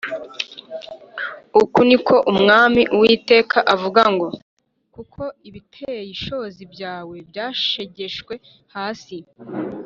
Uku ni ko Umwami Uwiteka avuga ngo: Kuko ibiteye ishozi byawe byasheshwe hasi